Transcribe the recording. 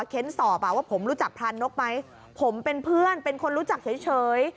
เค้นสอบว่าผมรู้จักพรานนกไหมผมเป็นเพื่อนเป็นคนรู้จักเฉย